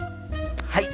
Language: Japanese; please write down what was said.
はい！